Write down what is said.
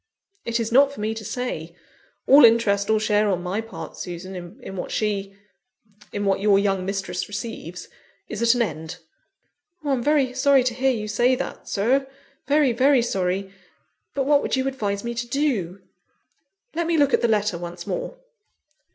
"It is not for me to say. All interest or share on my part, Susan, in what she in what your young mistress receives, is at an end." "I'm very sorry to hear you say that, Sir; very, very sorry. But what would you advise me to do?" "Let me look at the letter once more."